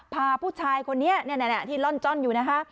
พาผู้ชายคนนี้ที่ล่อนจ้อนอยู่นะคะ